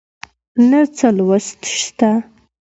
نه څه لوست شته